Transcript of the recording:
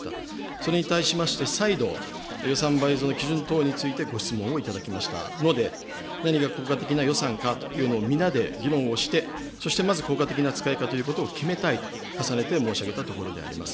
それに対しまして再度、予算倍増の基準等についてご質問をいただきましたので、何が効果的な予算かというのを皆で議論をして、そしてまず、効果的な使い方ということを決めたいと重ねて申し上げたところでございます。